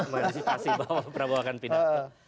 mengantisifikasi bahwa pramowo akan pidato